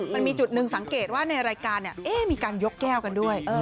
มันมีจุดหนึ่งสังเกตว่าในรายการมีการยกแก้วกันด้วย